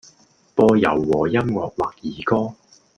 播柔和音樂或兒歌